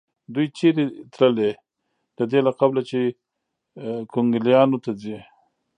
دوی چېرې تلې؟ د دې له قوله چې کونګلیانو ته ځي.